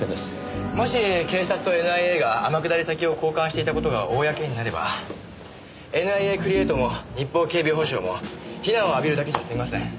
もし警察とＮＩＡが天下り先を交換していた事が公になればＮＩＡクリエイトも日邦警備保障も非難を浴びるだけじゃ済みません。